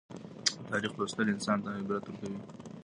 د تاریخ لوستل انسان ته عبرت ورکوي.